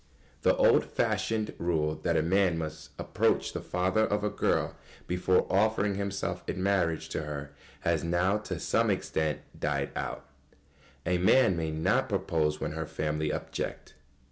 _ The old fashioned rule that a man must approach the father of a girl before offering himself in marriage to her has now, to some extent, died out. [Sidenote: A man may not propose when her family object.